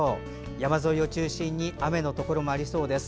山沿いを中心に雨のところもありそうです。